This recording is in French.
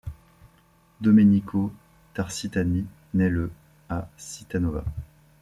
Domenico Tarsitani nait le à Cittanova.